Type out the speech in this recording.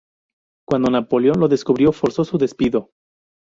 Cuando Napoleón lo descubrió, forzó su despido.